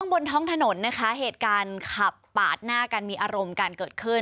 บนท้องถนนนะคะเหตุการณ์ขับปาดหน้ากันมีอารมณ์กันเกิดขึ้น